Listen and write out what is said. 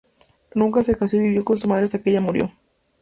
Nunca se casó y vivió con su madre hasta que ella murió.